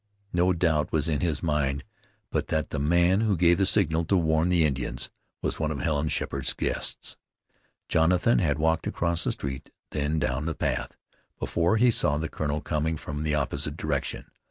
No doubt was in his mind but that the man who gave the signal to warn the Indians, was one of Helen Sheppard's guests. Jonathan had walked across the street then down the path, before he saw the colonel coming from the opposite direction.